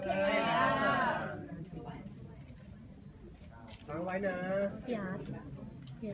ถามมาอาวุณภาพ